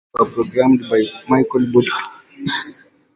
Synthesizers were programmed by Michael Boddicker.